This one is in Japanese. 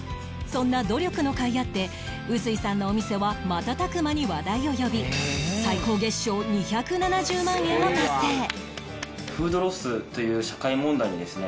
そんな努力のかいあって薄井さんのお店は瞬く間に話題を呼び最高月商２７０万円を達成！